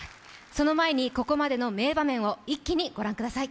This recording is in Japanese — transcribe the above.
その前に、ここまでの名場面を一気に御覧ください。